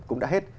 cũng đã hết